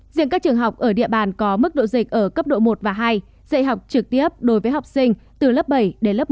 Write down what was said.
riêng các trường học ở địa bàn có mức độ dịch ở cấp độ một và hai dạy học trực tiếp đối với học sinh từ lớp bảy đến lớp một